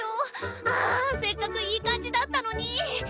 ああせっかくいい感じだったのに！